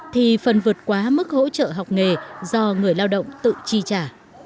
thì phần vượt quá mức hỗ trợ học nghề do người lao động tự chi trả